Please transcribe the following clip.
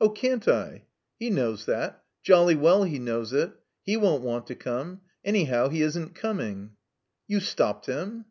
"Oh, can't I? He knows that. Jolly well he knows it. He won't want to come. Anyhow, he isn't coming." "You stopped him?"